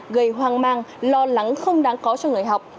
gây hoang mang lo lắng không đáng có cho người học